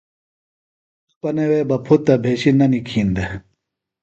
چھوۡپنہ وے بہ پُھتہ بھشَنہ نِکھین دےۡ۔